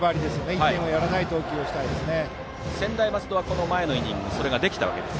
１点をやらない投球をしたいですね。